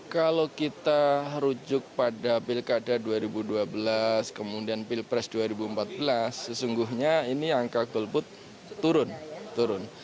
kalau kita rujuk pada pilkada dua ribu dua belas kemudian pilpres dua ribu empat belas sesungguhnya ini angka golput turun turun